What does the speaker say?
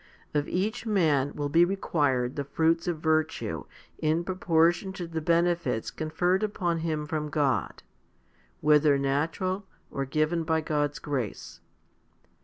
Of each man will be required the fruits of virtue in propor tion to the benefits conferred upon him from God, whether natural, or given by God's grace.